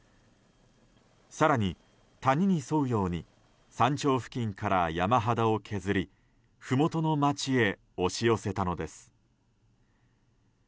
更に、谷に沿うように山頂付近から山肌を削りふもとの町へ押し寄せたのです。